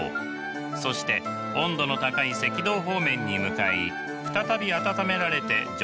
そして温度の高い赤道方面に向かい再び暖められて上昇します。